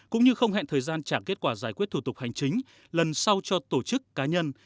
cũng như không hẹn thời gian trả kết quả giải quyết thủ tục hành chính lần sau cho tổ chức cá nhân